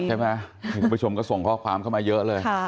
คุณผู้ชมก็ส่งข้อความเข้ามาเยอะเลย